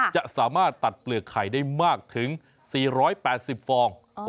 จะสามารถตัดเปลือกไข่ได้มากถึง๔๘๐ฟอง